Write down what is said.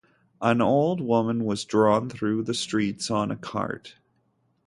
An old woman was drawn through the streets on a cart.